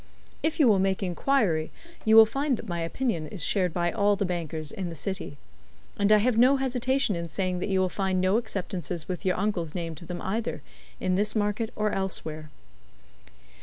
If you will make inquiry, you will find that my opinion is shared by all the bankers in the city. And I have no hesitation in saying that you will find no acceptances with your uncle's name to them, either in this market or elsewhere."